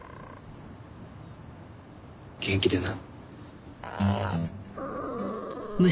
元気でな。